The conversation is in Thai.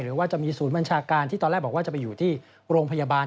หรือว่าจะมีศูนย์บัญชาการที่ตอนแรกบอกว่าจะไปอยู่ที่โรงพยาบาล